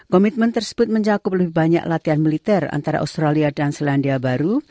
komitmen tersebut mencakup lebih banyak latihan militer antara australia dan selandia baru